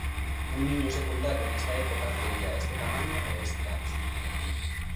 Un niño secundario nesta época tería este tamaño e este ancho.